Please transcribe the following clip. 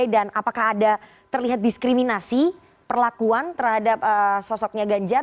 dan apakah ada terlihat diskriminasi perlakuan terhadap sosoknya ganjar